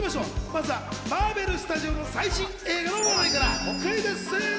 まずはマーベルスタジオの最新映画の話題からクイズッス！